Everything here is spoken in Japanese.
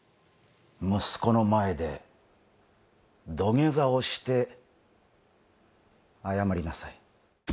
息子の前で土下座をして謝りなさい。